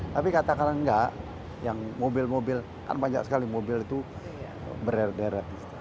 tapi katakanlah nggak yang mobil mobil kan banyak sekali mobil itu berada di sana